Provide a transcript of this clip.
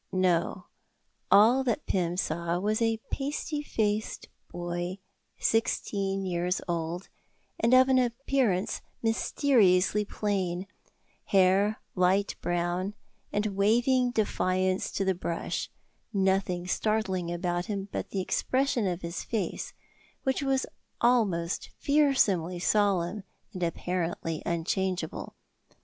No; all that Pym saw was a pasty faced boy sixteen years old, and of an appearance mysteriously plain; hair light brown, and waving defiance to the brush; nothing startling about him but the expression of his face, which was almost fearsomely solemn and apparently unchangeable.